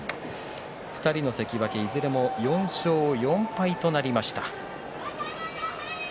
２人の関脇４勝４敗となりました。